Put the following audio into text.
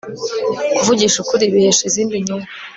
kuvugisha ukuri bihesha izindi nyungu